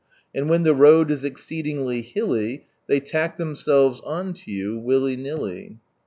And when Ihe road is exceedingly hilly They lack themselves on to you, willy nilly.